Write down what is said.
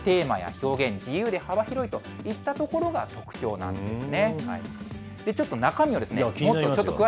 そして、テーマや表現、自由で幅広いといったところが特徴なんですね。